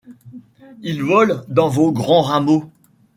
Ils volent dans vos grands rameaux !